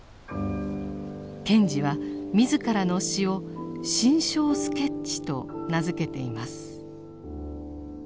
賢治は自らの詩を「心象スケッチ」と名付けています。